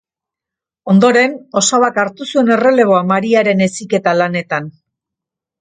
Ondoren, osabak hartu zuen erreleboa Mariaren heziketa lanetan.